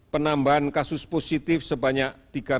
penambahan kasus positif sebanyak tiga ratus